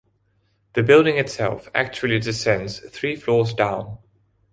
The building itself actually descends three floors down.